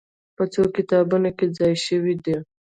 په څو کتابونو کې ځای شوې دي.